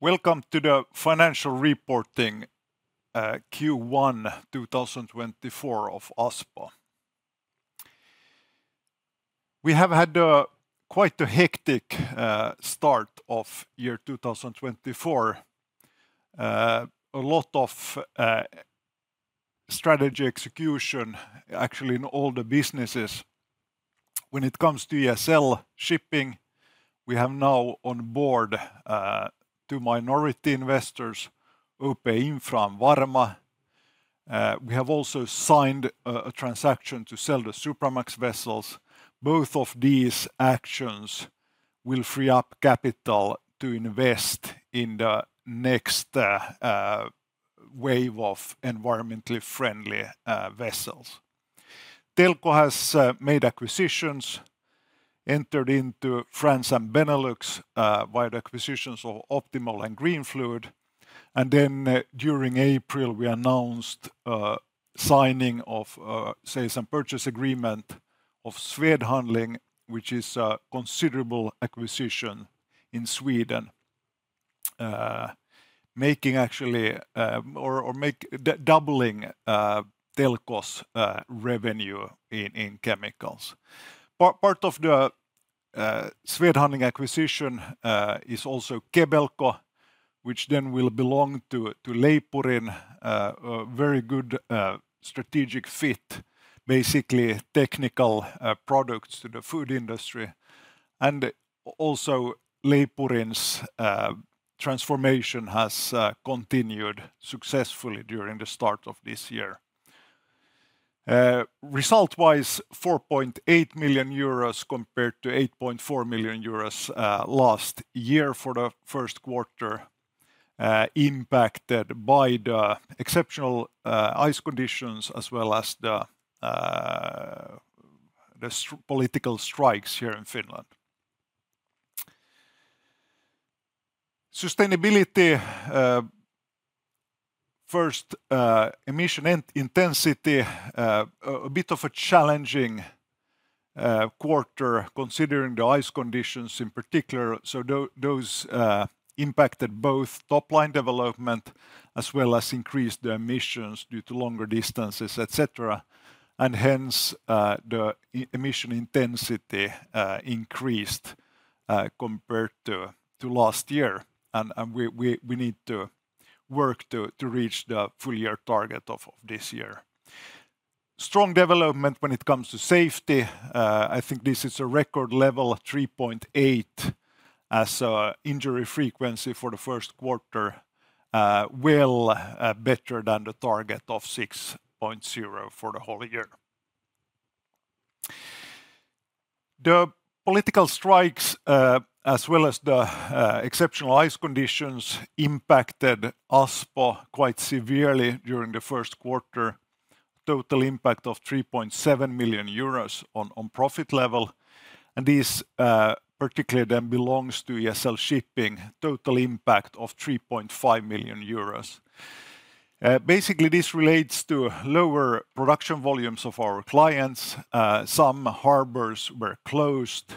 Welcome to the Financial Reporting Q1 2024 of Aspo. We have had quite a hectic start of year 2024. A lot of strategy execution actually in all the businesses. When it comes to ESL Shipping, we have now on board two minority investors: OP Infra and Varma. We have also signed a transaction to sell the Supramax vessels. Both of these actions will free up capital to invest in the next wave of environmentally friendly vessels. Telko has made acquisitions. Entered into France and Benelux via the acquisitions of Optimol and Greenfluid. And then during April, we announced signing of share purchase agreement of Swed Handling, which is a considerable acquisition in Sweden. Making actually, or doubling Telko's revenue in chemicals. Part of the Swed Handling acquisition is also Kebelco, which then will belong to Leipurin. A very good strategic fit, basically technical products to the food industry. Also Leipurin's transformation has continued successfully during the start of this year. Result-wise, 4.8 million euros compared to 8.4 million euros last year for Q1, impacted by the exceptional ice conditions as well as the political strikes here in Finland. Sustainability. First, emission intensity, a bit of a challenging quarter considering the ice conditions in particular. So those impacted both topline development as well as increased the emissions due to longer distances, etc. And hence, the emission intensity increased compared to last year. And we need to work to reach the full year target of this year. Strong development when it comes to safety. I think this is a record level, 3.8 as injury frequency for Q1, well better than the target of 6.0 for the whole year. The political strikes as well as the exceptional ice conditions impacted Aspo quite severely during the Q1. Total impact of 3.7 million euros on profit level. This particularly then belongs to ESL Shipping. Total impact of 3.5 million euros. Basically, this relates to lower production volumes of our clients. Some harbors were closed.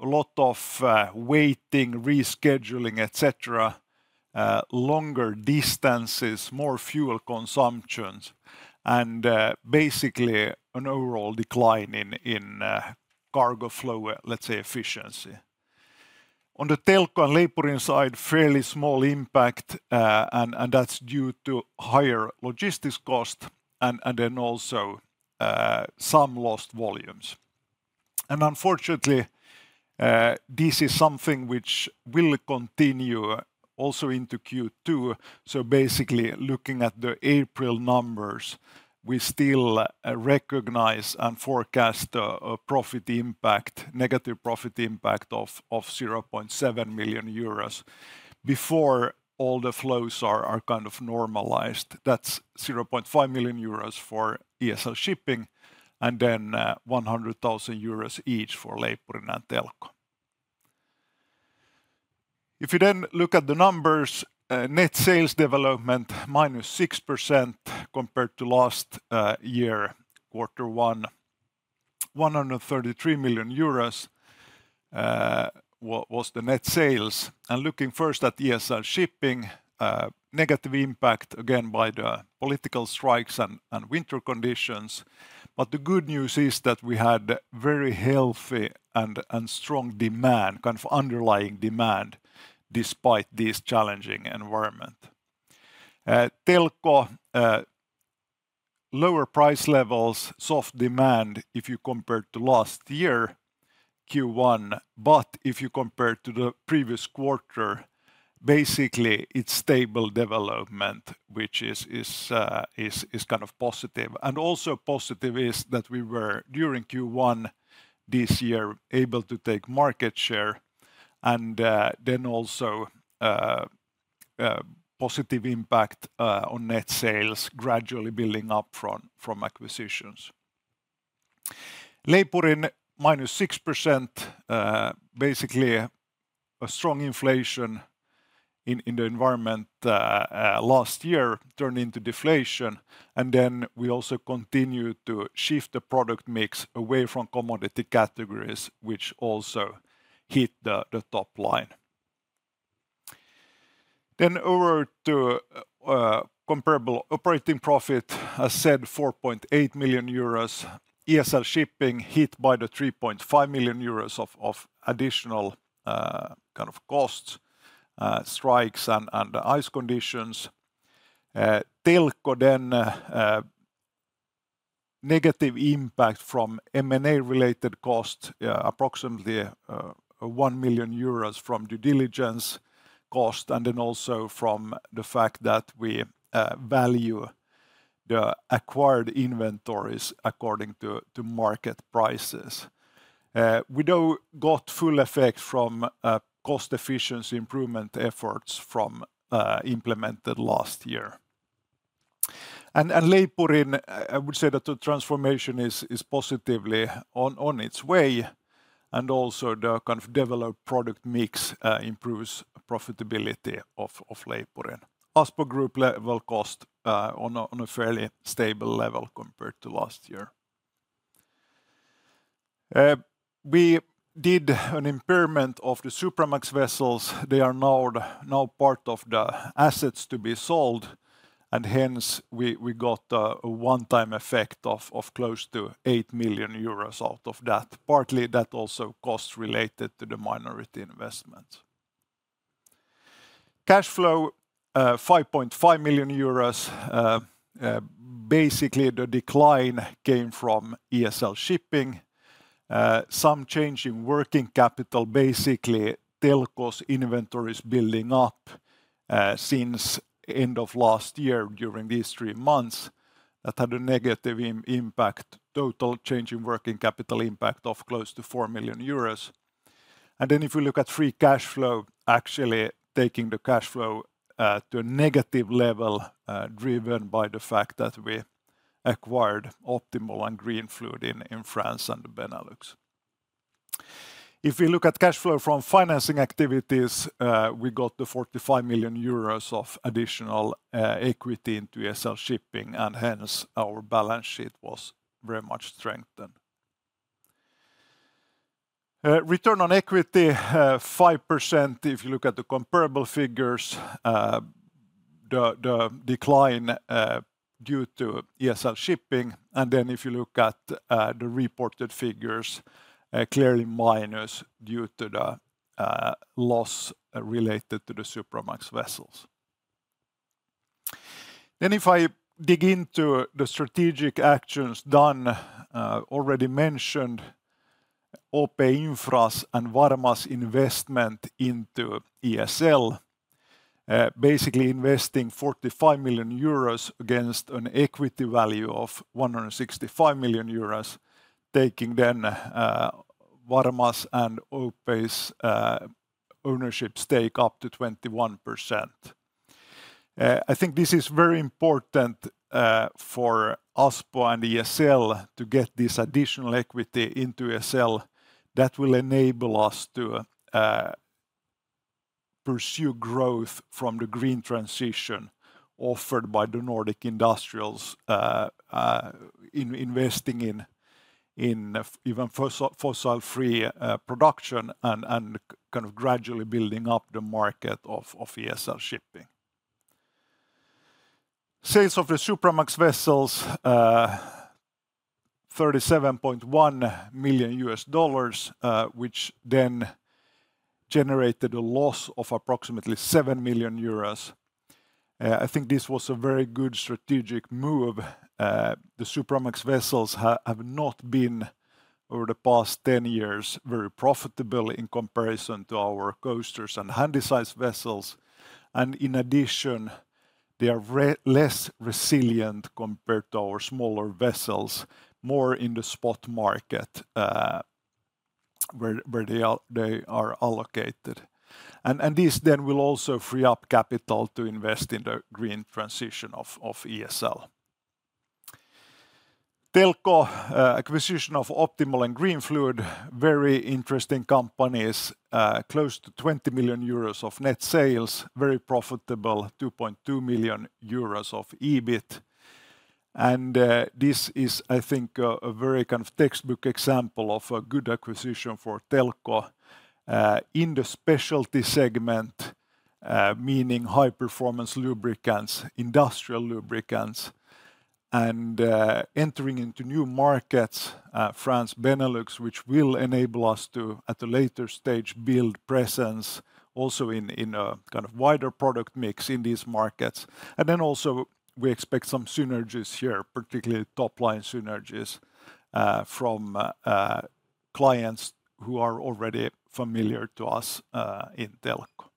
A lot of waiting, rescheduling, etc. Longer distances, more fuel consumptions. Basically an overall decline in cargo flow, let's say, efficiency. On the Telko and Leipurin side, fairly small impact. That's due to higher logistics costs and then also some lost volumes. Unfortunately, this is something which will continue also into Q2. Basically looking at the April numbers, we still recognize and forecast a negative profit impact of 0.7 million euros. Before all the flows are kind of normalized, that's 0.5 million euros for ESL Shipping and then 100,000 euros each for Leipurin and Telko. If you then look at the numbers - net sales development -6% compared to last year quarter one. 133 million euros was the net sales. Looking first at ESL Shipping - negative impact again by the political strikes and winter conditions. But the good news is that we had very healthy and strong demand - kind of underlying demand despite this challenging environment. Telko. Lower price levels, soft demand if you compare to last year Q1. But if you compare to the previous quarter - basically it's stable development which is kind of positive. Also positive is that we were during Q1 this year able to take market share. Then also positive impact on net sales gradually building up from acquisitions. Leipurin -6%. Basically a strong inflation in the environment last year turned into deflation. And then we also continued to shift the product mix away from commodity categories which also hit the topline. Then over to comparable operating profit. As said, 4.8 million euros. ESL Shipping hit by the 3.5 million euros of additional kind of costs, strikes and ice conditions. Telko then. Negative impact from M&A related costs, approximately 1 million euros from due diligence costs and then also from the fact that we value the acquired inventories according to market prices. We though got full effect from cost efficiency improvement efforts from implemented last year. And Leipurin, I would say that the transformation is positively on its way. And also the kind of developed product mix improves profitability of Leipurin. Aspo Group level cost on a fairly stable level compared to last year. We did an impairment of the Supramax vessels. They are now part of the assets to be sold. And hence we got a one-time effect of close to 8 million euros out of that. Partly that also costs related to the minority investments. Cash flow 5.5 million euros. Basically the decline came from ESL Shipping. Some change in working capital. Basically Telko's inventories building up since end of last year during these three months that had a negative impact, total change in working capital impact of close to 4 million euros. And then if you look at free cash flow, actually taking the cash flow to a negative level driven by the fact that we acquired Optimol and Greenfluid in France and the Benelux. If we look at cash flow from financing activities, we got the 45 million euros of additional equity into ESL Shipping. And hence our balance sheet was very much strengthened. Return on equity 5% if you look at the comparable figures. The decline due to ESL Shipping. Then if you look at the reported figures, clearly minus due to the loss related to the Supramax vessels. Then if I dig into the strategic actions done, already mentioned OP Infra's and Varma's investment into ESL. Basically investing 45 million euros against an equity value of 165 million euros. Taking then Varma's and OP's ownership stake up to 21%. I think this is very important for Aspo and ESL to get this additional equity into ESL, that will enable us to pursue growth from the green transition offered by the Nordic industrials, investing in even fossil-free production and kind of gradually building up the market of ESL Shipping. Sales of the Supramax vessels, $37.1 million, which then generated a loss of approximately 7 million euros. I think this was a very good strategic move. The Supramax vessels have not been over the past 10 years very profitable in comparison to our coasters and Handysize vessels. In addition, they are less resilient compared to our smaller vessels, more in the spot market where they are allocated. And this then will also free up capital to invest in the green transition of ESL. Telko. Acquisition of Optimol and Greenfluid. Very interesting companies. Close to 20 million euros of net sales. Very profitable. 2.2 million euros of EBIT. And this is, I think, a very kind of textbook example of a good acquisition for Telko. In the specialty segment, meaning high-performance lubricants, industrial lubricants, and entering into new markets, France Benelux, which will enable us to at a later stage build presence also in a kind of wider product mix in these markets. And then also we expect some synergies here, particularly top-line synergies, from clients who are already familiar to us in Telko.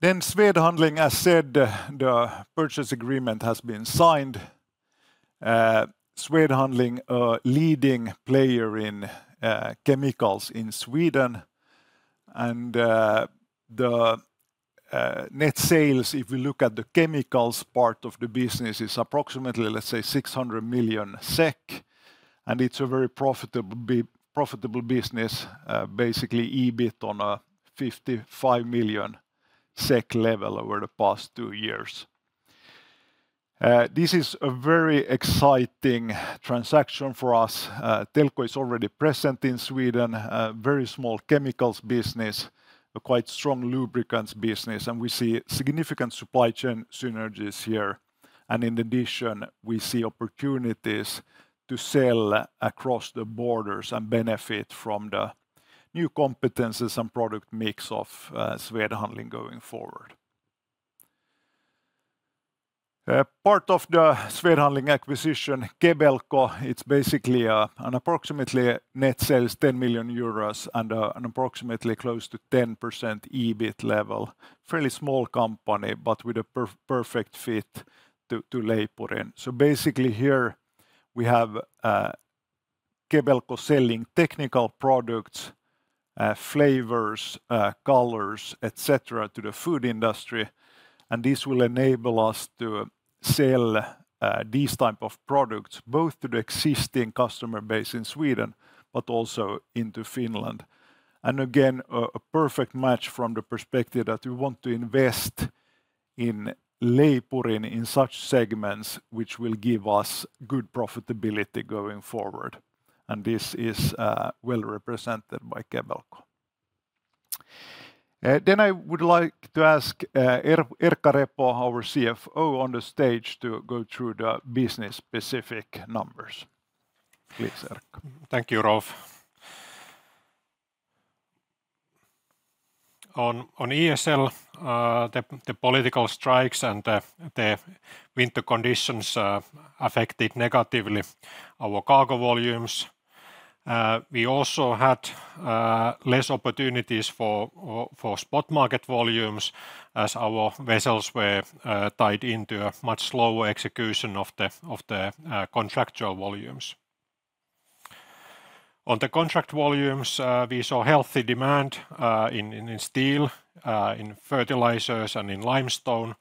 Then Swed Handling, as said, the purchase agreement has been signed. Swed Handling, a leading player in chemicals in Sweden. And the net sales, if we look at the chemicals part of the business, is approximately, let's say, 600 million SEK. And it's a very profitable business, basically EBIT on a 55 million SEK level over the past two years. This is a very exciting transaction for us. Telko is already present in Sweden. A very small chemicals business. A quite strong lubricants business. And we see significant supply chain synergies here. And in addition, we see opportunities to sell across the borders and benefit from the new competences and product mix of Swed Handling going forward. Part of the Swed Handling acquisition, Kebelco, it's basically an approximately net sales 10 million euros and an approximately close to 10% EBIT level. Fairly small company but with a perfect fit to Leipurin. So basically here we have Kebelco selling technical products, flavors, colors, etc., to the food industry. And this will enable us to sell these types of products both to the existing customer base in Sweden but also into Finland. And again, a perfect match from the perspective that we want to invest in Leipurin in such segments which will give us good profitability going forward. And this is well represented by Kebelco. Then I would like to ask Erkka Repo, our CFO, on the stage to go through the business-specific numbers. Please, Erkka. Thank you, Rolf. On ESL, the political strikes and the winter conditions affected negatively our cargo volumes. We also had less opportunities for spot market volumes as our vessels were tied into a much slower execution of the contractual volumes. On the contract volumes, we saw healthy demand in steel, in fertilizers, and in limestone.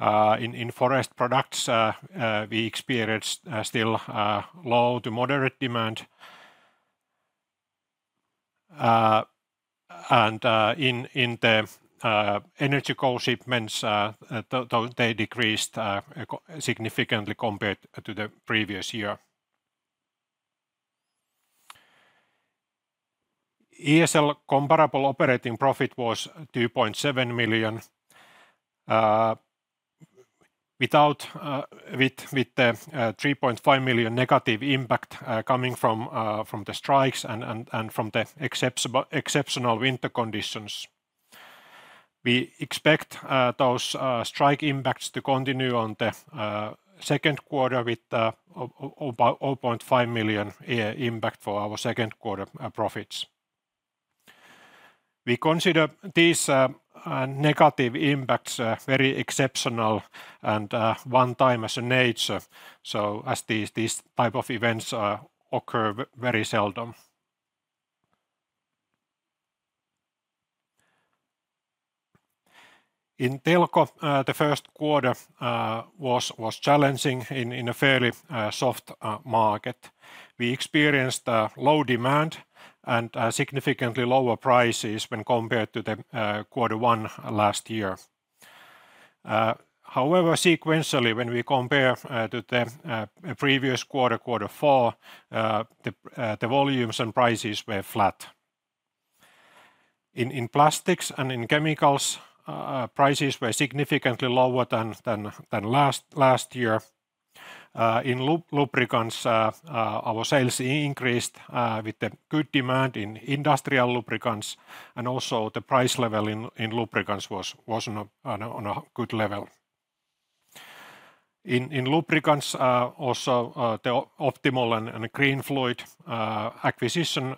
In forest products, we experienced still low to moderate demand. In the energy co-shipments, they decreased significantly compared to the previous year. ESL comparable operating profit was 2.7 million. Without the 3.5 million negative impact coming from the strikes and from the exceptional winter conditions. We expect those strike impacts to continue on the Q2 with the 0.5 million impact for our Q2 profits. We consider these negative impacts very exceptional and one-time in nature. So as these types of events occur very seldom. In Telko, the Q1 was challenging in a fairly soft market. We experienced low demand and significantly lower prices when compared to the quarter one last year. However, sequentially, when we compare to the previous quarter, Q4, the volumes and prices were flat. In plastics and in chemicals, prices were significantly lower than last year. In lubricants, our sales increased with the good demand in industrial lubricants. And also the price level in lubricants was on a good level. In lubricants, also the Optimol and Greenfluid acquisition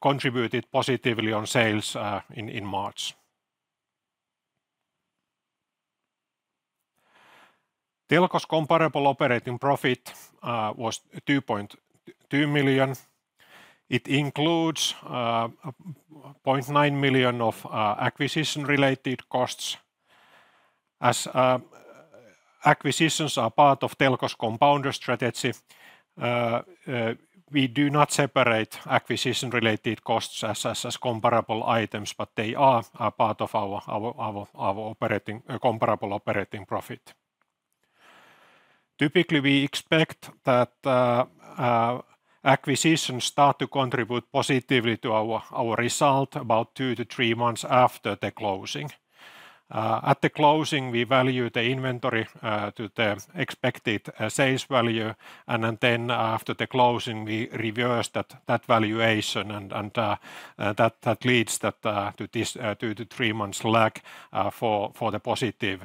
contributed positively on sales in March. Telko's comparable operating profit was 2.2 million. It includes 0.9 million of acquisition-related costs. As acquisitions are part of Telko's compounder strategy, we do not separate acquisition-related costs as comparable items, but they are part of our comparable operating profit. Typically, we expect that acquisitions start to contribute positively to our result about two to three months after the closing. At the closing, we value the inventory to the expected sales value. Then after the closing, we reverse that valuation. That leads to this 2-3 months lag for the positive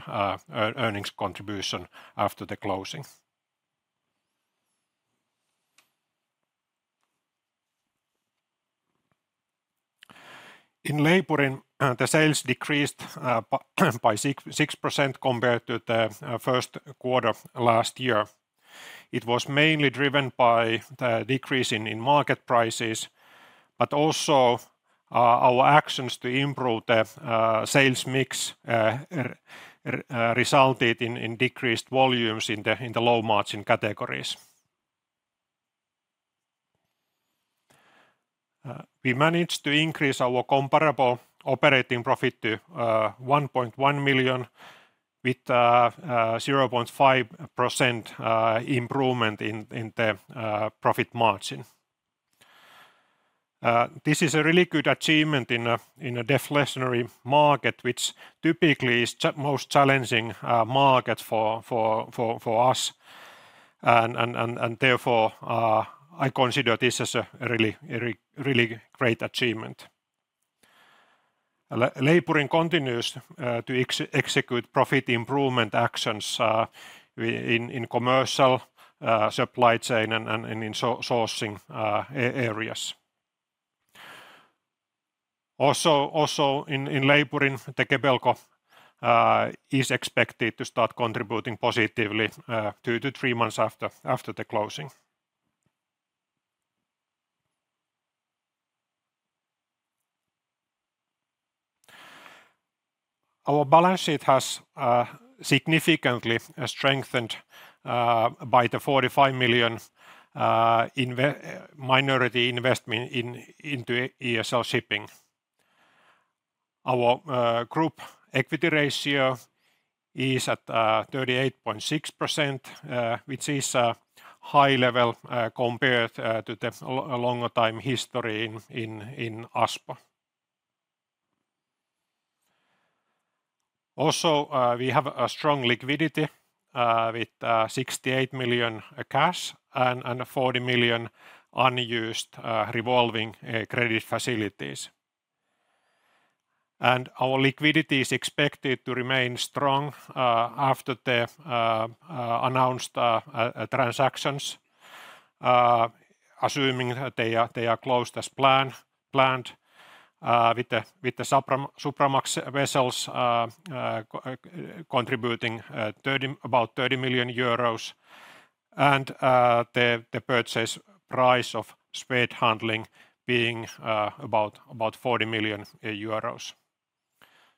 earnings contribution after the closing. In Leipurin, the sales decreased by 6% compared to the Q1 last year. It was mainly driven by the decrease in market prices. But also our actions to improve the sales mix resulted in decreased volumes in the low-margin categories. We managed to increase our comparable operating profit to 1.1 million with 0.5% improvement in the profit margin. This is a really good achievement in a deflationary market, which typically is the most challenging market for us. Therefore, I consider this as a really really great achievement. Leipurin continues to execute profit improvement actions in commercial supply chain and in sourcing areas. Also in Leipurin, the Kebelco is expected to start contributing positively two to three months after the closing. Our balance sheet has significantly strengthened by the 45 million minority investment into ESL Shipping. Our group equity ratio is at 38.6%, which is a high level compared to the long-term history in Aspo. Also, we have a strong liquidity with 68 million cash and 40 million unused revolving credit facilities. And our liquidity is expected to remain strong after the announced transactions, assuming they are closed as planned. With the Supramax vessels contributing about 30 million euros. And the purchase price of Swed Handling being about 40 million euros.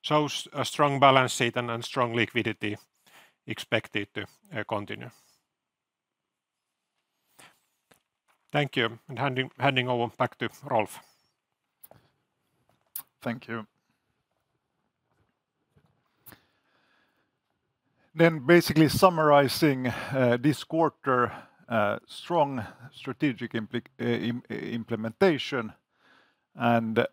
So a strong balance sheet and strong liquidity expected to continue. Thank you. And handing over back to Rolf. Thank you. Then basically summarizing this quarter: strong strategic implementation and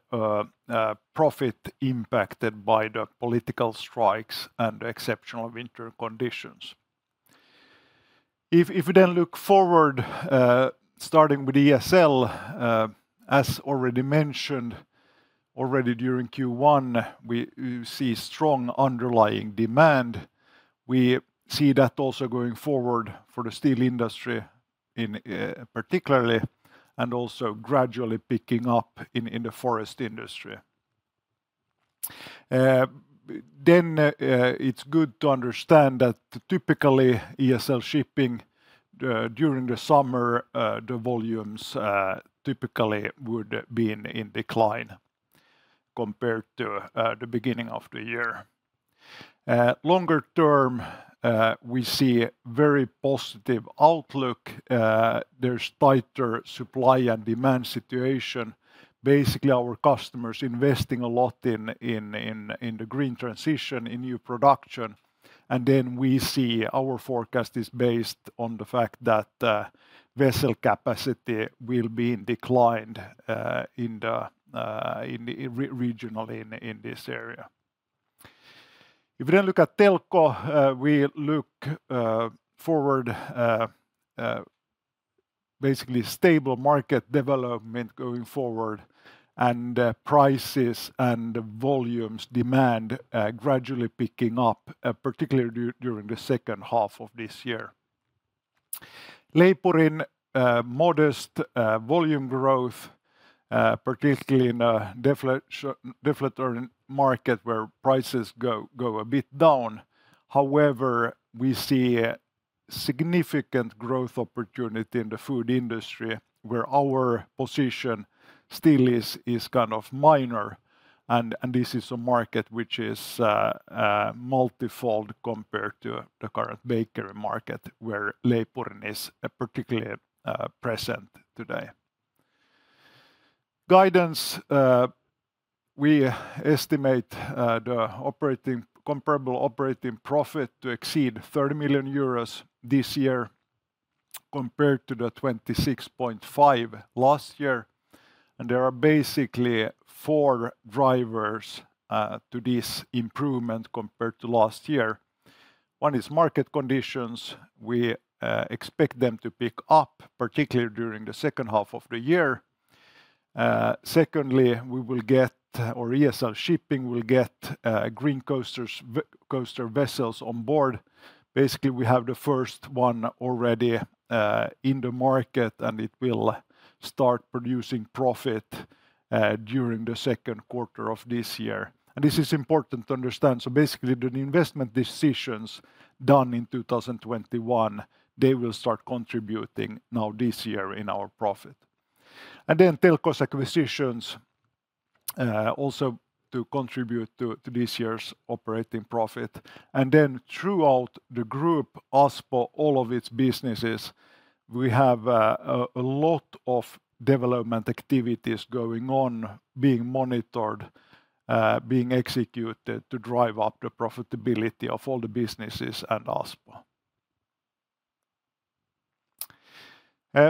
profit impacted by the political strikes and the exceptional winter conditions. If we then look forward, starting with ESL, as already mentioned, already during Q1, we see strong underlying demand. We see that also going forward for the steel industry in particular and also gradually picking up in the forest industry. Then it's good to understand that typically ESL Shipping during the summer, the volumes typically would have been in decline compared to the beginning of the year. Longer term, we see a very positive outlook. There's a tighter supply and demand situation. Basically, our customers investing a lot in the green transition, in new production. And then we see our forecast is based on the fact that vessel capacity will be in decline in the region in this area. If we then look at Telko, we look forward, basically stable market development going forward. Prices and volumes, demand gradually picking up, particularly during the second half of this year. Leipurin modest volume growth, particularly in a deflationary market where prices go a bit down. However, we see a significant growth opportunity in the food industry where our position still is kind of minor. And this is a market which is multifold compared to the current bakery market where Leipurin is particularly present today. Guidance: we estimate the comparable operating profit to exceed 30 million euros this year compared to the 26.5 million last year. There are basically four drivers to this improvement compared to last year. One is market conditions. We expect them to pick up particularly during the second half of the year. Secondly, we will get, or ESL Shipping will get Green Coaster vessels on board. Basically, we have the first one already in the market and it will start producing profit during the Q2 of this year. This is important to understand. Basically, the investment decisions done in 2021, they will start contributing now this year in our profit. Then Telko's acquisitions also to contribute to this year's operating profit. Then throughout the group, Aspo, all of its businesses, we have a lot of development activities going on being monitored, being executed to drive up the profitability of all the businesses and Aspo.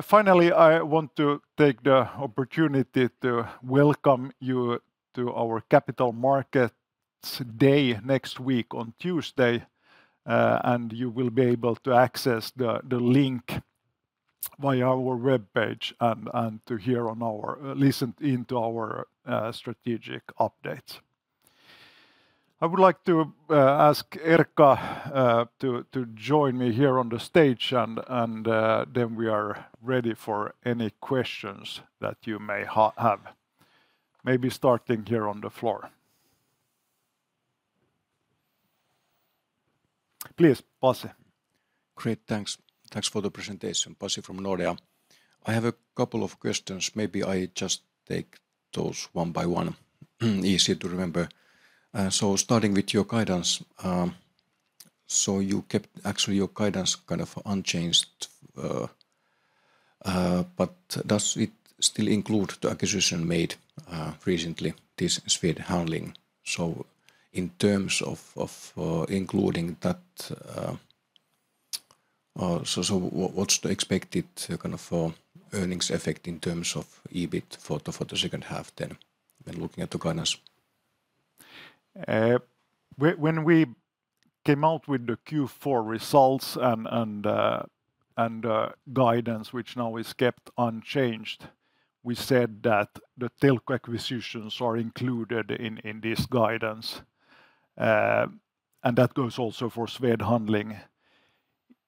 Finally, I want to take the opportunity to welcome you to our Capital Markets Day next week on Tuesday. And you will be able to access the link via our webpage and to hear on our, listen into our strategic updates. I would like to ask Erkka to join me here on the stage. And then we are ready for any questions that you may have. Maybe starting here on the floor. Please, Pasi. Great. Thanks. Thanks for the presentation, Pasi from Nordea. I have a couple of questions. Maybe I just take those one by one. Easy to remember. So starting with your guidance. So you kept actually your guidance kind of unchanged. But does it still include the acquisition made recently, this Swed Handling? So in terms of including that, so what's the expected kind of earnings effect in terms of EBIT for the second half then when looking at the guidance? When we came out with the Q4 results and guidance, which now is kept unchanged, we said that the Telko acquisitions are included in this guidance. And that goes also for Swed Handling.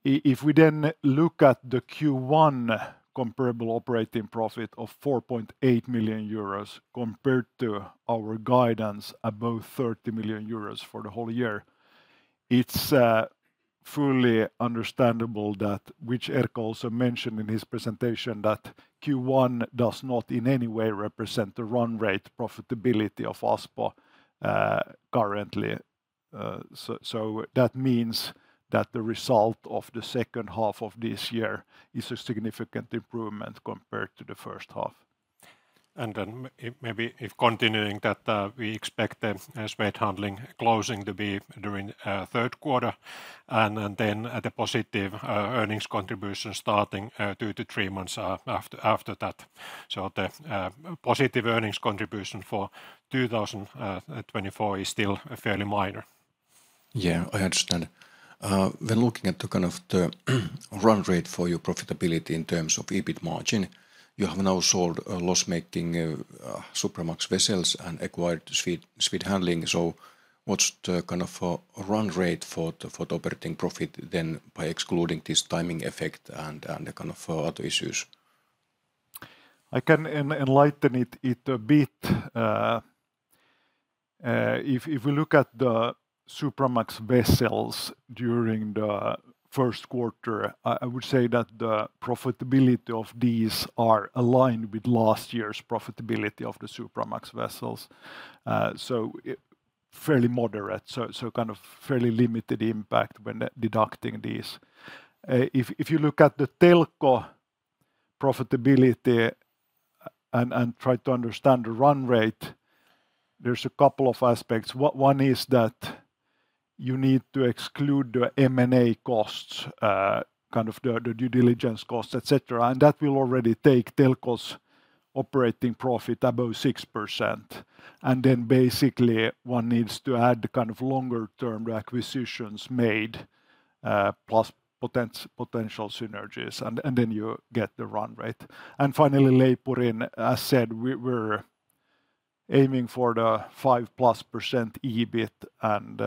If we then look at the Q1 comparable operating profit of 4.8 million euros compared to our guidance above 30 million euros for the whole year, it's fully understandable that, which Erkka also mentioned in his presentation, that Q1 does not in any way represent the run rate profitability of Aspo currently. So that means that the result of the second half of this year is a significant improvement compared to the first half. And then maybe if continuing that, we expect Swed Handling closing to be during Q3. And then the positive earnings contribution starting two to three months after that. So the positive earnings contribution for 2024 is still fairly minor. Yeah, I understand. When looking at the kind of the run rate for your profitability in terms of EBIT margin, you have now sold loss-making Supramax vessels and acquired Swed Handling. So what's the kind of run rate for the operating profit then by excluding this timing effect and the kind of other issues? I can enlighten it a bit. If we look at the Supramax vessels during the Q1, I would say that the profitability of these are aligned with last year's profitability of the Supramax vessels. So fairly moderate. So kind of fairly limited impact when deducting these. If you look at the Telko profitability and try to understand the run rate, there's a couple of aspects. One is that you need to exclude the M&A costs, kind of the due diligence costs, etc. And that will already take Telko's operating profit above 6%. And then basically one needs to add kind of longer-term acquisitions made plus potential synergies. And then you get the run rate. And finally, Leipurin, as said, we're aiming for the 5%+ EBIT. And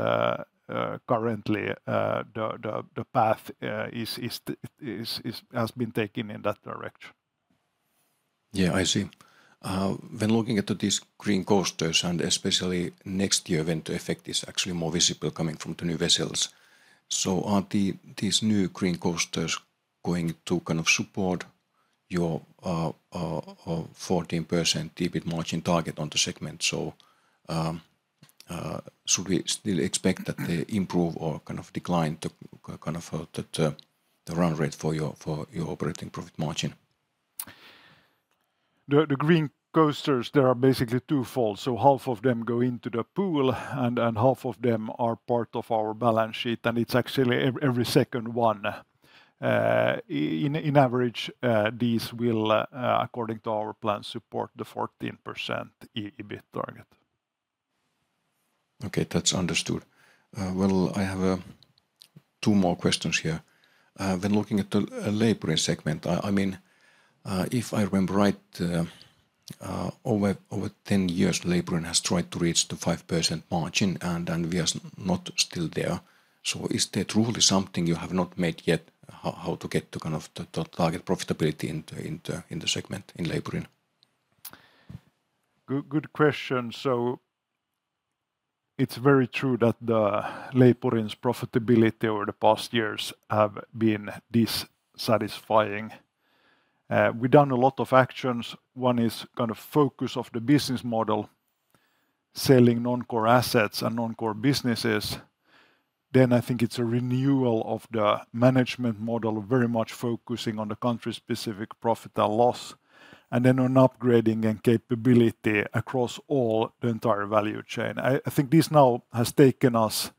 currently, the path has been taken in that direction. Yeah, I see. When looking at these Green Coasters and especially next year, when the effect is actually more visible coming from the new vessels, so are these new Green Coasters going to kind of support your 14% EBIT margin target on the segment? So should we still expect that they improve or kind of decline to kind of the run rate for your operating profit margin? The Green Coasters, there are basically two folds. So half of them go into the pool and half of them are part of our balance sheet. And it's actually every second one. In average, these will, according to our plan, support the 14% EBIT target. Okay, that's understood. Well, I have 2 more questions here. When looking at the Leipurin segment, I mean, if I remember right, over 10 years, Leipurin has tried to reach the 5% margin and we are not still there. So is there truly something you have not made yet how to get to kind of the target profitability in the segment in Leipurin? Good question. So it's very true that Leipurin's profitability over the past years have been dissatisfying. We've done a lot of actions. One is kind of focus of the business model, selling non-core assets and non-core businesses. Then I think it's a renewal of the management model, very much focusing on the country-specific profit and loss. And then on upgrading and capability across all the entire value chain. I think this now has taken us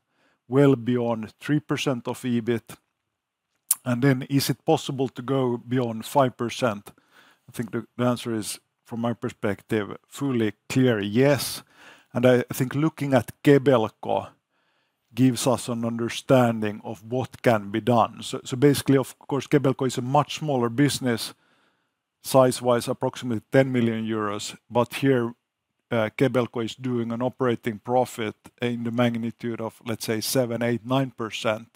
well beyond 3% of EBIT. Then is it possible to go beyond 5%? I think the answer is, from my perspective, fully clear yes. I think looking at Kebelco gives us an understanding of what can be done. Basically, of course, Kebelco is a much smaller business, size-wise approximately 10 million euros. But here, Kebelco is doing an operating profit in the magnitude of, let's say, 7%-9%.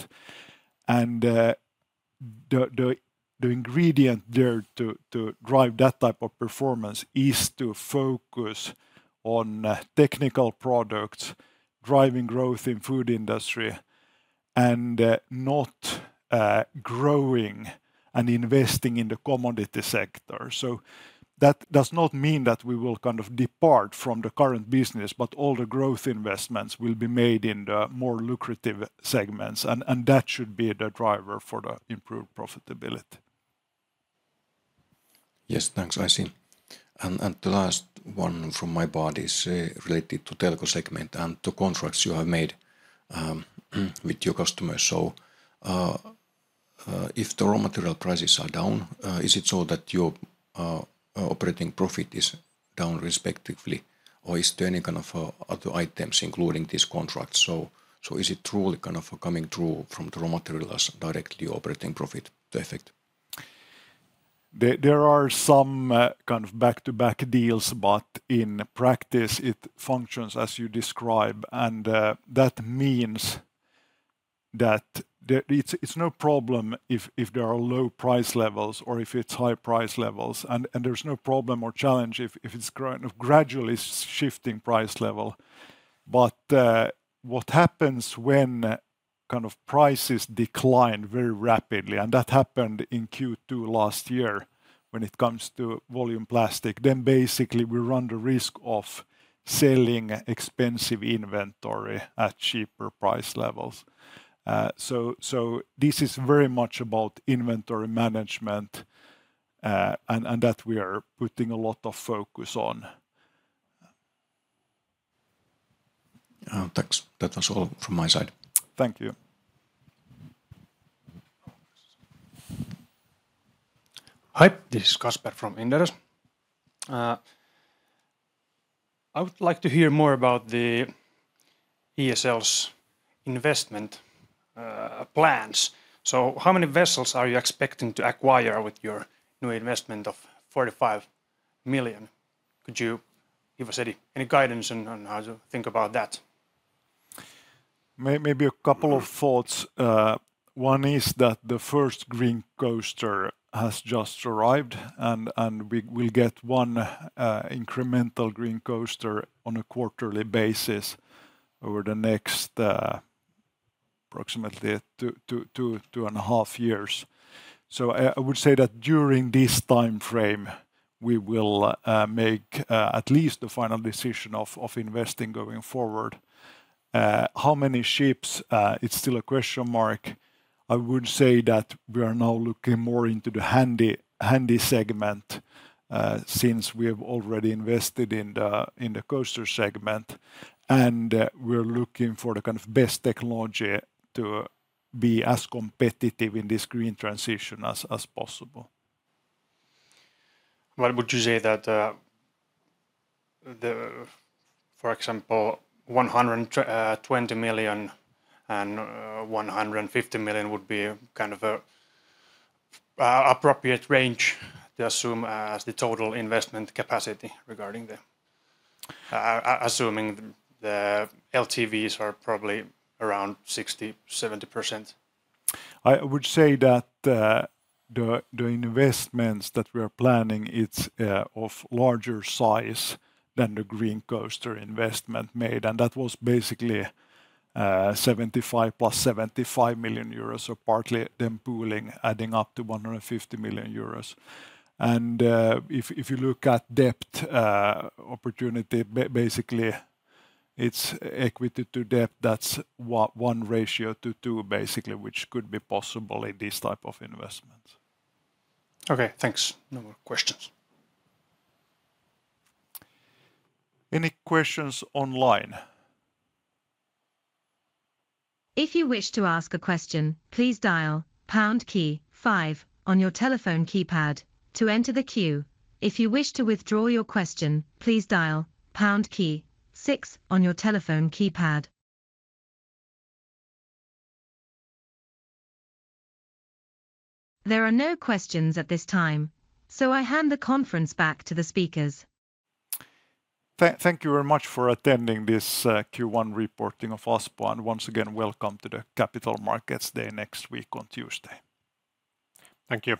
The ingredient there to drive that type of performance is to focus on technical products, driving growth in the food industry, and not growing and investing in the commodity sector. That does not mean that we will kind of depart from the current business, but all the growth investments will be made in the more lucrative segments. That should be the driver for the improved profitability. Yes, thanks. I see. And the last one from my part is related to the Telko segment and the contracts you have made with your customers. So if the raw material prices are down, is it so that your operating profit is down respectively? Or is there any kind of other items including these contracts? So is it truly kind of coming through from the raw materials directly to your operating profit to effect? There are some kind of back-to-back deals, but in practice, it functions as you describe. And that means that it's no problem if there are low price levels or if it's high price levels. And there's no problem or challenge if it's kind of gradually shifting price level. But what happens when kind of prices decline very rapidly, and that happened in Q2 last year when it comes to volume plastic, then basically we run the risk of selling expensive inventory at cheaper price levels. So this is very much about inventory management and that we are putting a lot of focus on. Thanks. That was all from my side. Thank you. Hi. This is Kasper from Inderes. I would like to hear more about the ESL's investment plans. So how many vessels are you expecting to acquire with your new investment of 45 million? Could you give us any guidance on how to think about that? Maybe a couple of thoughts. One is that the first Green Coaster has just arrived. And we will get one incremental Green Coaster on a quarterly basis over the next approximately two and a half years. So I would say that during this time frame, we will make at least the final decision of investing going forward. How many ships, it's still a question mark. I would say that we are now looking more into the Handy segment since we have already invested in the coaster segment. And we are looking for the kind of best technology to be as competitive in this green transition as possible. What would you say that, for example, 120 million to 150 million would be kind of an appropriate range to assume as the total investment capacity regarding them? Assuming the LTVs are probably around 60%-70%. I would say that the investments that we are planning, it's of larger size than the Green Coaster investment made. And that was basically 75 million + 75 million euros. So partly them pooling, adding up to 150 million euros. And if you look at depth opportunity, basically it's equity to depth. That's 1 to 2 basically, which could be possible in this type of investments. Okay, thanks. No more questions. Any questions online? If you wish to ask a question, please dial pound key five on your telephone keypad to enter the queue. If you wish to withdraw your question, please dial pound key six on your telephone keypad. There are no questions at this time, so I hand the conference back to the speakers. Thank you very much for attending this Q1 reporting of Aspo. And once again, welcome to the Capital Markets Day next week on Tuesday. Thank you.